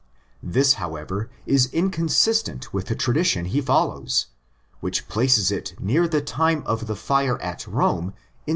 This, however, is incon sistent with the tradition he follows, which places it near the time of the fire at Rome in 64.